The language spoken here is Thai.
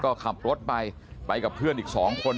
ก็ขับรถไปไปกับเพื่อนอีกสองคน